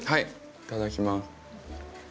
いただきます。